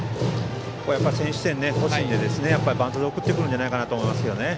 先取点が欲しいのでバントで送ってくるんじゃないかなと思いますけどね。